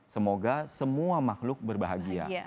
semoga semua makhluk berbahagia